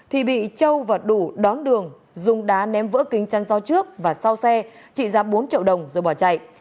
thì bị châu và đủ đón đường dùng đá ném vỡ kính chăn do trước và sau xe trị giá bốn triệu đồng rồi bỏ chạy